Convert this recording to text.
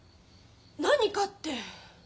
何かって？